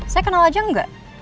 saya kenal aja gak